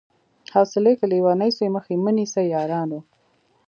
حوصلې که ليونۍ سوې مخ يې مه نيسئ يارانو